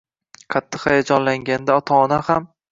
Qattiq hayajonlanganda ota-ona ham